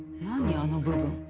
あの部分。